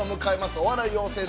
お笑い養成所